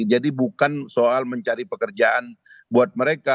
jadi bukan soal mencari pekerjaan buat mereka